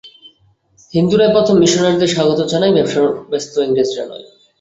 হিন্দুরাই প্রথম মিশনারীদের স্বাগত জানায়, ব্যবসায়ে ব্যস্ত ইংরেজরা নয়।